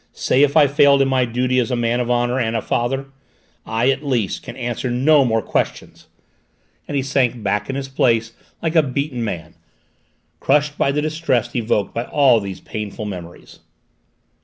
Say if I failed in my duty as a man of honour and a father! I, at least, can answer no more questions!" and he sank back in his place like a beaten man, crushed by the distress evoked by all these painful memories.